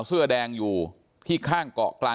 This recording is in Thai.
โปรดติดตามต่อไป